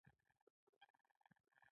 بیزو ډېر ځیرک حیوان دی.